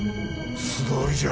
素通りじゃ。